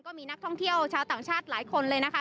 ก็มีนักท่องเที่ยวชาวต่างชาติหลายคนเลยนะคะ